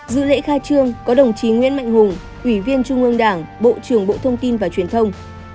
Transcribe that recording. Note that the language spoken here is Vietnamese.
dự lễ khai trương có đồng chí nguyễn mạnh hùng ủy viên trung ương đảng bộ trưởng bộ thông tin và truyền thông